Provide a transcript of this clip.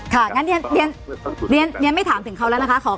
งั้นเรียนไม่ถามถึงเขาแล้วนะคะ